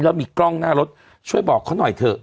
แล้วมีกล้องหน้ารถช่วยบอกเขาหน่อยเถอะ